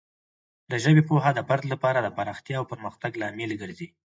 د ژبې پوهه د فرد لپاره د پراختیا او پرمختګ لامل ګرځي.